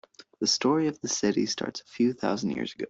The story of the city starts a few thousand years ago.